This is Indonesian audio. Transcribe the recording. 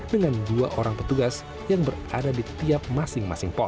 dengan dua orang petugas yang berada di tiap masing masing pos